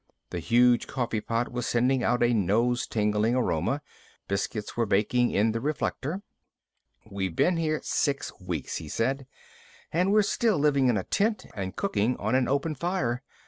The huge coffee pot was sending out a nose tingling aroma. Biscuits were baking in the reflector. "We've been here six weeks," he said, "and we're still living in a tent and cooking on an open fire.